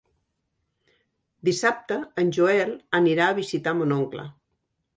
Dissabte en Joel anirà a visitar mon oncle.